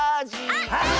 あっはい！